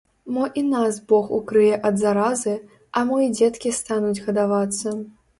Мо і нас бог укрые ад заразы, а мо і дзеткі стануць гадавацца!